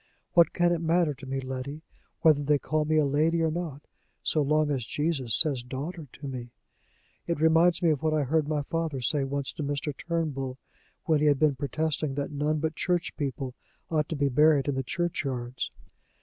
What can it matter to me, Letty, whether they call me a lady or not, so long as Jesus says Daughter to me? It reminds me of what I heard my father say once to Mr. Turnbull, when he had been protesting that none but church people ought to be buried in the churchyards.